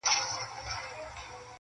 له ازله د انسان د لاس مریی وو -